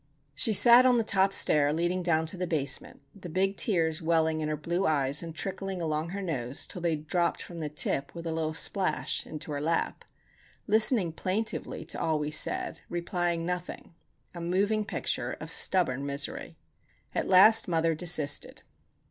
She sat on the top stair leading down to the basement, the big tears welling in her blue eyes and trickling along her nose till they dropped from the tip with a little splash into her lap; listening plaintively to all we said, replying nothing,—a moving picture of stubborn misery. At last mother desisted.